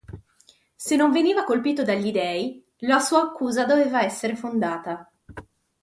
Se non veniva colpito dagli dèi, la sua accusa doveva essere fondata.